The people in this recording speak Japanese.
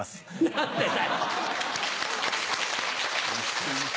何でだよ